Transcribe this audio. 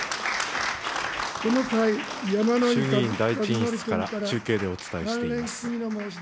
衆議院第１委員室から中継でお伝えしています。